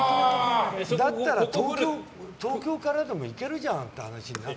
だったら東京からでも行けるじゃんって話になって。